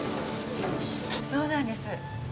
そうなんです。